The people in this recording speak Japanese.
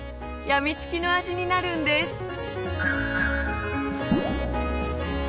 病み付きの味になるんです！